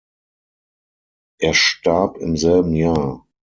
Er starb im selben Jahr.